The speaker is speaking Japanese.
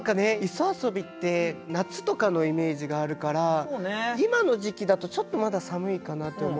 磯遊って夏とかのイメージがあるから今の時期だとちょっとまだ寒いかなと思うんですけど。